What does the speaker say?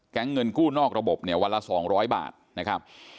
แก๊งเงินกู้นอกระบบเนี่ยวันละสองร้อยบาทนะครับ